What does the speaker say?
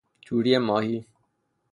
توری ماهی